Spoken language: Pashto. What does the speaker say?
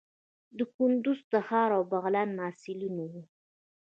د کندوز، تخار او بغلان محصلین وو.